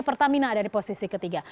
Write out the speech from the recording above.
pertamina ada di posisi ketiga